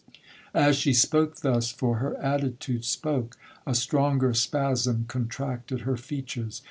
As she spoke thus, (for her attitude spoke), a stronger spasm contracted her features.